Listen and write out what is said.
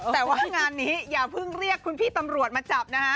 แต่ว่างานนี้อย่าเพิ่งเรียกคุณพี่ตำรวจมาจับนะฮะ